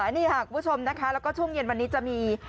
นี่ค่ะคุณผู้ชมนะคะแล้วก็ช่วงเย็นวันนี้จะมี